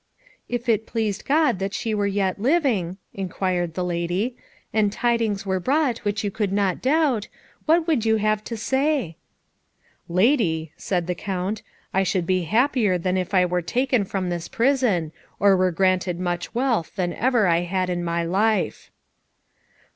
"If it pleased God that she were yet living," inquired the lady, "and tidings were brought which you could not doubt, what would you have to say?" "Lady," said the Count, "I should be happier than if I were taken from this prison, or were granted more wealth than ever I have had in my life."